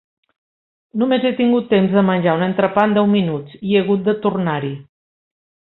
Només he tingut temps de menjar un entrepà en deu minuts, i he hagut de tornar-hi!